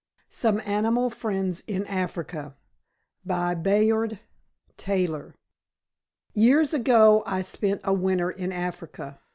SOME ANIMAL FRIENDS IN AFRICA By Bayard Taylor Years ago I spent a winter in Africa.